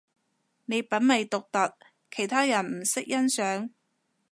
你品味獨特，其他人唔識欣賞